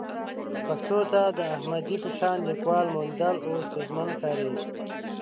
پښتو ته د احمدي په شان لیکوال موندل اوس ستونزمن ښکاري.